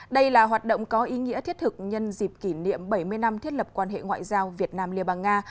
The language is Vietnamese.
đây là hoạt động có ý nghĩa thiết thực nhân dịp kỷ niệm bảy mươi năm thiết lập quan hệ ngoại giao việt nam liên bang nga